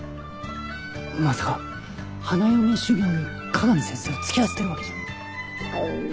まさか花嫁修業に香美先生を付き合わせてるわけじゃ。